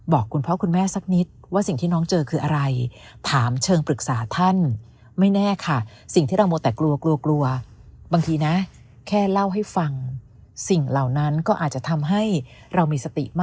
บอกคุณพ่อคุณแม่สักนิดว่าสิ่งที่น้องเจอคืออะไร